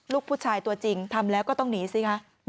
ลูกผู้ชายตัวจริงทำแล้วก็ต้องหนีสิคะ